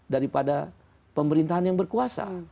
daripada pemerintahan yang berkuasa